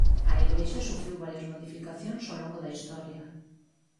A igrexa sufriu varias modificación o longo da historia.